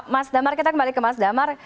mas damar kita kembali ke mas damar